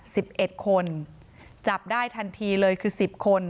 สิบเอ็ดคนจับได้ทันทีเลยคือสิบคน